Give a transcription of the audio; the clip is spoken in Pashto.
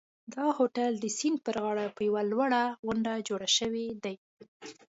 دا هوټل د سیند پر غاړه په یوه لوړه غونډۍ جوړ شوی دی.